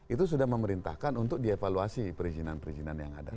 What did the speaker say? itu sudah memerintahkan untuk dievaluasi perizinan perizinan yang ada